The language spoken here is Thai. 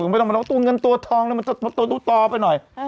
เออแล้วก็ตัวเงินตัวทองตัวตัวต่อไปหน่อย